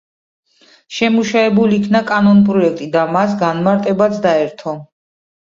შემუშავებულ იქნა კანონპროექტი და მას განმარტებაც დაერთო.